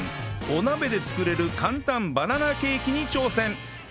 お鍋で作れる簡単バナナケーキに挑戦